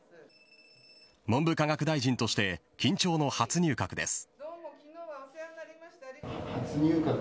文部科学大臣として緊張の初入閣です。